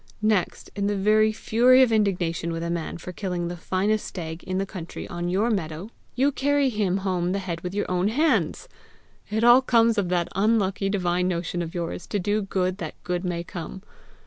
Next, in the very fury of indignation with a man for killing the finest stag in the country on your meadow, you carry him home the head with your own hands! It all comes of that unlucky divine motion of yours to do good that good may come!